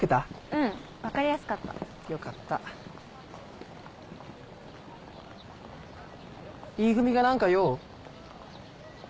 うん分かりやすかったよかったＥ組が何か用？